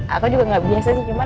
aku juga nggak biasa sih cuma